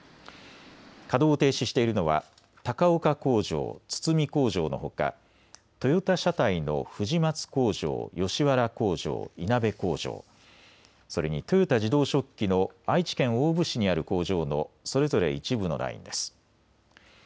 稼働を停止しているのは高岡工場、堤工場のほかトヨタ車体の藤井工場、吉原工場いなべ工場、それに豊田自動織機の愛知県大府市にある工場のそれぞれ一部のラインです。